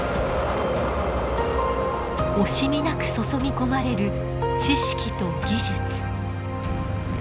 惜しみなく注ぎ込まれる知識と技術。